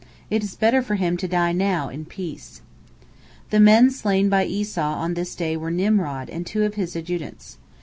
It is better for him to die now in peace." The men slain by Esau on this day were Nimrod and two of his adjutants.